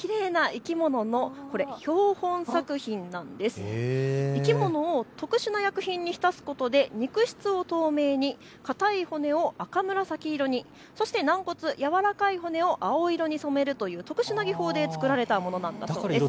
生き物を特殊な薬品に浸すことで肉質を透明に、硬い骨を赤紫色に、そして軟骨、軟らかい骨を青色に染めるという特殊な技法で作られたものなんだそうです。